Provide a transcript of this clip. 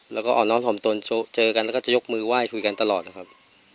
แล้วก็อ่อนน้องถอมตนเจอกันแล้วก็จะยกมือไหว้คุยกันตลอดนะครับ